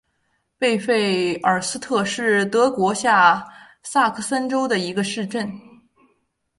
贝费尔斯特是德国下萨克森州的一个市镇。